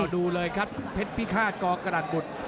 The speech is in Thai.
โอ้ดูเลยครับแพทย์พิฆาตก๊อกการบุตร